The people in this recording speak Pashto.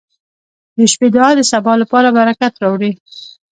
• د شپې دعا د سبا لپاره برکت راوړي.